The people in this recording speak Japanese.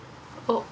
あっ。